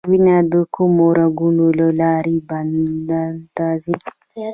وینه د کومو رګونو له لارې بدن ته ځي